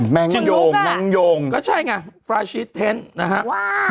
แมงโยงโยงโยงก็ใช่ไงฟราชิตเท้นนะฮะว้าย